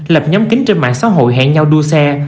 lập nhóm kính trên mạng xã hội hẹn nhau đua xe